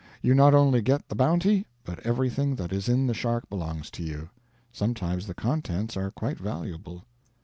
You not only get the bounty, but everything that is in the shark belongs to you. Sometimes the contents are quite valuable.